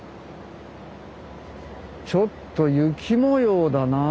ちょっと雪模様だなあ。